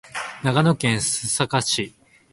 長野県須坂市